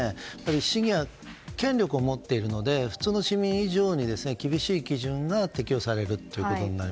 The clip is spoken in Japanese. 市議は権力を持っているので普通の市民以上に厳しい基準が適用されますね。